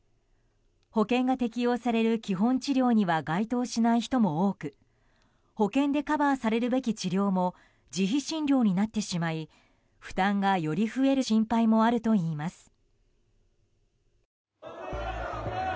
保険が適用される基本治療には該当しない人も多く保険でカバーされるべき治療も自費診療になってしまい負担がより増える心配もあるといいます。